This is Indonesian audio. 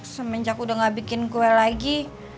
semenjak udah gak bikin kue lagi